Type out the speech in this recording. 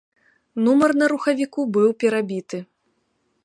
Нумар на рухавіку быў перабіты.